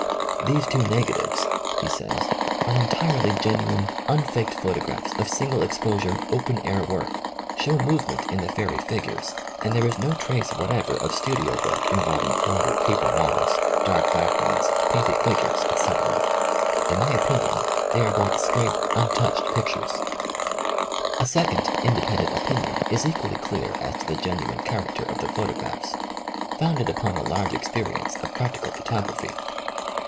*^ These 53 THE COMING OF THE FAIRIES two negatives," he says, are entirely genu ine, unfaked photographs of single expo sure, open air work, show movement in the fairy figures, and there is no trace whatever of studio work involving card or paper mod els, dark backgrounds, painted figures, etc. In my opinion, they are both straight un touched pictures." A second independent opinion is equally clear as to the genuine character of the photographs, founded upon a large experi ence of practical photography.